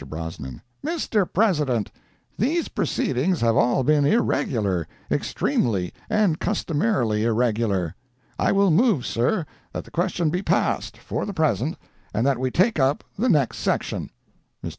Brosnan—"Mr. President, these proceedings have all been irregular, extremely and customarily irregular. I will move, sir, that the question be passed, for the present, and that we take up the next section." Mr.